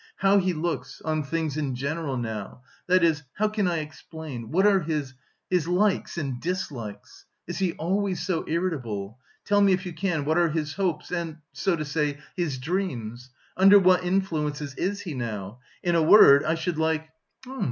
how he looks... on things in general now, that is, how can I explain, what are his likes and dislikes? Is he always so irritable? Tell me, if you can, what are his hopes and, so to say, his dreams? Under what influences is he now? In a word, I should like..."